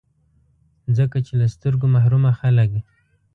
ځکه چي له سترګو محرومه خلګ